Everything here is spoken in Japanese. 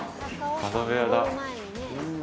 角部屋だ。